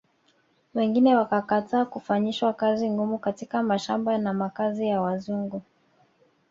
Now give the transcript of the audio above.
Wengine wakakataa kufanyishwa kazi ngumu katika mashamba na makazi ya Wazungu